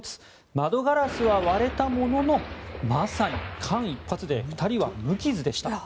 窓ガラスは割れたもののまさに間一髪で２人は無傷でした。